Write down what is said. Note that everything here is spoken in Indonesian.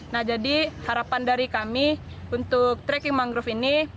nah jadi harapan dari kami untuk trekking mangrove ini